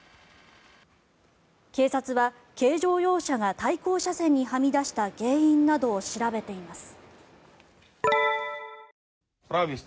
警察は軽乗用車が対向車線にはみ出した原因などを調べています。